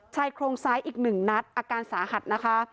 ชายโครงซ้ายอีก๑นัดอาการสาหัสนะคะ